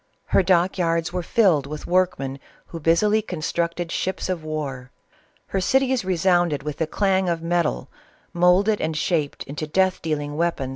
Her dock yards were filled with workmen who busily constructed ships of war; her cities resounded, with the clang of metal, moulded and shaped into death dealing weapon?